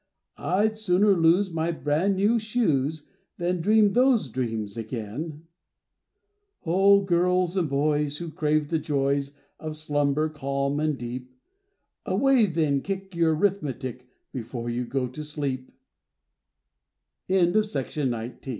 I'd sooner lose my brand new shoes Than dream those dreams again. Oh! girls and boys, who crave the joys Of slumber calm and deep, Away then kick your 'rithmetic Before you go to